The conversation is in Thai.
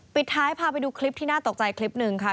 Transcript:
ปิดท้ายพาไปดูคลิปที่น่าตกใจคลิปหนึ่งค่ะ